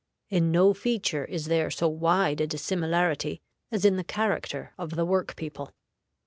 In no feature is there so wide a dissimilarity as in the character of the work people.